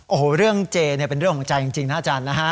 โอ้โหเรื่องเจเนี่ยเป็นเรื่องของใจจริงนะอาจารย์นะฮะ